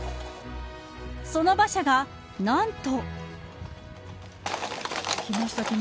その馬車が、何と。